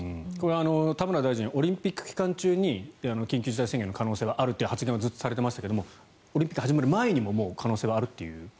田村大臣はオリンピック期間中に緊急事態宣言の可能性はあるという発言はずっとされていましたがオリンピックが始まる前にも可能性があると。